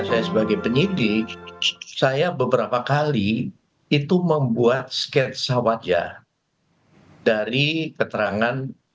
karena penerbitan status dpo oleh vina